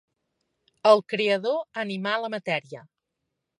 El Creador animà la matèria.